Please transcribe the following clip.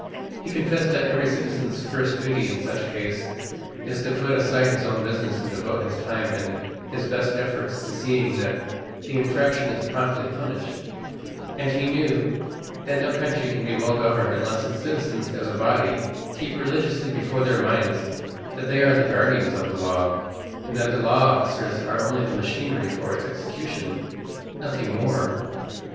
He confessed that every citizen's first duty in such case is to put aside his own business and devote his time and his best efforts to seeing that the infraction is promptly punished; and he knew that no country can be well governed unless its citizens as a body keep religiously before their minds that they are the guardians of the law, and that the law officers are only the machinery for its execution, nothing more.